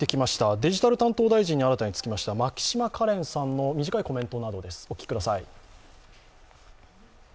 デジタル担当大臣に新たにつきました、牧島かれんさんの短いコメントなどです。